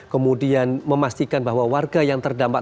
kemudian memastikan bahwa warga yang terdampak